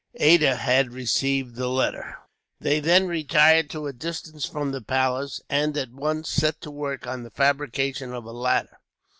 Ada had received the letter. They then retired to a distance from the palace, and at once set to work on the fabrication of a ladder.